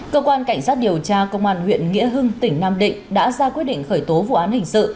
cơ quan cảnh sát điều tra công an huyện nghĩa hưng tỉnh nam định đã ra quyết định khởi tố vụ án hình sự